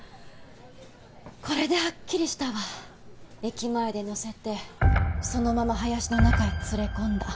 これではっきりしたわ駅前で乗せてそのまま林の中へ連れ込んだ